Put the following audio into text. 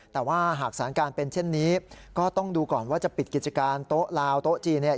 แต่ว่าหากสถานการณ์เป็นเช่นนี้ก็ต้องดูก่อนว่าจะปิดกิจการโต๊ะลาวโต๊ะจีนเนี่ย